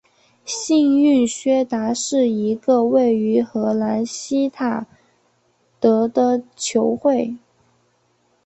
幸运薛达是一个位于荷兰锡塔德的球会。